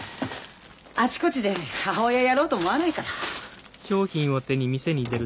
あちこちで母親やろうと思わないから。